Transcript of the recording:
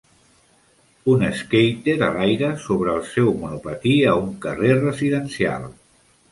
Un skater a l'aire sobre el seu monopatí a un carrer residencial.